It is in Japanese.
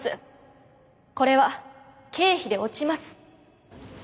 これは経費で落ちます。